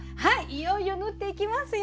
いよいよ縫っていきますよ。